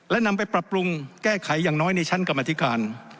และนำไปปรับปรุงแก้ไขอย่างน้อยในชั้นกรรมธิการ